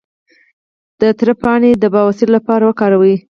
د تره پاڼې د بواسیر لپاره وکاروئ